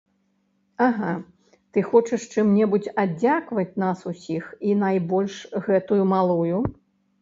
Ага, ты хочаш чым-небудзь аддзякаваць нас усіх і найбольш гэтую малую?